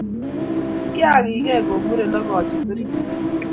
Kiakikei kou muren akachut orit